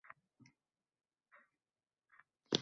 Uning soyasiga poyandoz to‘shardi.